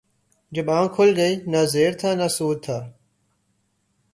جب آنکھ کھل گئی، نہ زیاں تھا نہ سود تھا